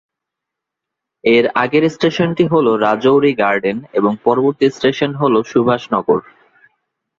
এর আগের স্টেশনটি হল রাজৌরি গার্ডেন এবং পরবর্তী স্টেশন হল সুভাষ নগর।